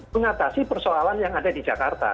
mengatasi persoalan yang ada di jakarta